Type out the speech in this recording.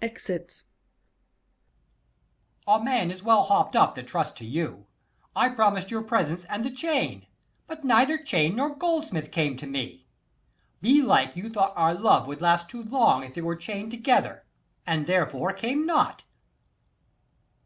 [Exit. Ant. E. A man is well holp up that trusts to you: I promised your presence and the chain; But neither chain nor goldsmith came to me. Belike you thought our love would last too long, 25 If it were chain'd together, and therefore came not.